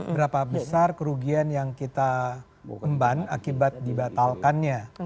berapa besar kerugian yang kita emban akibat dibatalkannya